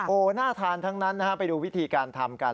โอน่าทานทั้งนั้นไปดูวิธีการทำกัน